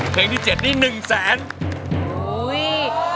เพลงที่๗นี้๑๐๐๐๐๐บาท